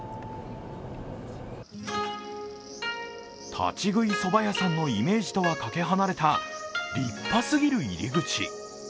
立ち食いそば屋さんのイメージとはかけ離れた立派すぎる入り口。